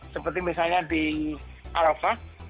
seperti misalnya di arafat